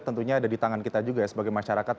tentunya ada di tangan kita juga sebagai masyarakat